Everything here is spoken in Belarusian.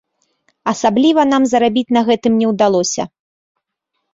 Асабліва нам зарабіць на гэтым не ўдалося.